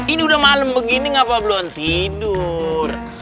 ini udah malem begini ngapa belum tidur